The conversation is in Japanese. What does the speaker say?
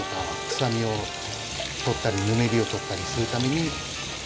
臭みを取ったりぬめりを取ったりするために。